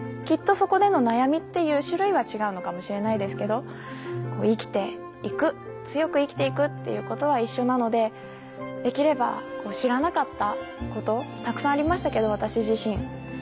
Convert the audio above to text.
きっとそこでの悩みっていう種類は違うのかもしれないですけど生きていく強く生きていくっていうことは一緒なのでできれば知らなかったことたくさんありましたけど私自身。